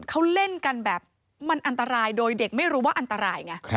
เขาเล่นกันแบบมันอันตรายโดยเด็กไม่รู้ว่าอันตรายไง